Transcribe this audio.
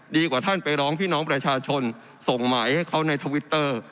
กว่าท่านไปร้องพี่น้องประชาชนส่งหมายให้เขาในทวิตเตอร์